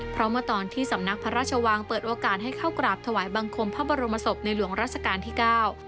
เพราะเมื่อตอนที่สำนักพระราชวังเปิดโอกาสให้เข้ากราบถวายบังคมพระบรมศพในหลวงราชการที่เก้า